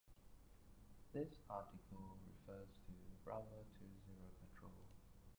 This article refers to the "Bravo Two Zero" patrol.